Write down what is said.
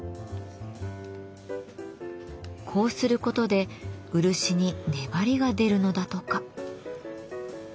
こうすることで漆に粘りが出るのだとか。